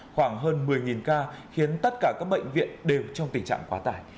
khoảng hơn một mươi ca khiến tất cả các bệnh viện đều trong tình trạng quá tải